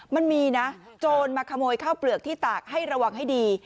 มันมีนะโจรมาขโมยข้าวเปลือกที่ตากให้ระวังให้ดี